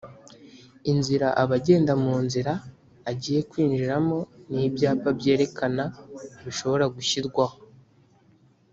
inzira abagenda mu nzira agiye kwinjiramo n ibyapa byerekana bishobora gushyirwaho